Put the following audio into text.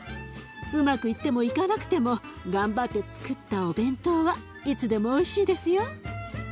うまくいってもいかなくても頑張ってつくったお弁当はいつでもおいしいですよ。